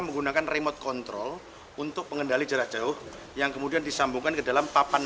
menggunakan remote control untuk pengendali jarak jauh yang kemudian disambungkan ke dalam papan